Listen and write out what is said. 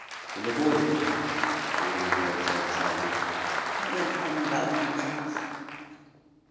When the boys came in, the little girl said, shyly, "Tome and tell me about the nets."